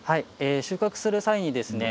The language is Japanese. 収穫する際にですね